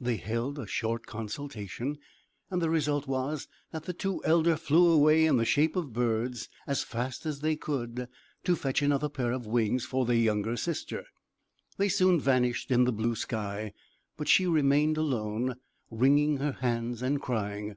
They held a short consultation, and the result was, that the two elder flew away in the shape of birds, as fast as they could, to fetch another pair of wings for their younger sister. They soon vanished in the blue sky; but she remained alone, wringing her hands, and crying.